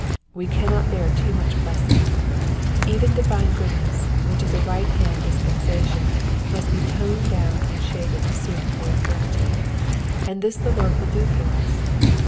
We cannot bear too much blessing ; even divine goodness, which is a right hand dispensatioD, must be toned down and shaded to suit our infirmity, and this the Lord will do for us.